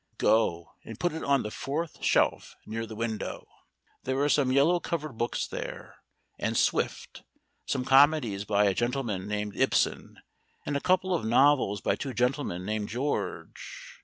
Go and put it on the fourth shelf near the window. There are some yellow covered books there, and Swift, some comedies by a gentleman named Ibsen, and a couple of novels by two gentlemen named George